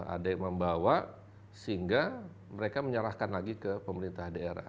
ada yang membawa sehingga mereka menyerahkan lagi ke pemerintah daerah